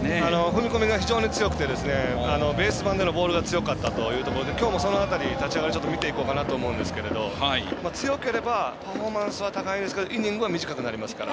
踏み込みが非常に強くてベース板でのボールが強かったというところで立ち上がり見ていこうかなと思うんですけど強ければパフォーマンスは高いんですけれどイニングは短くなりますから。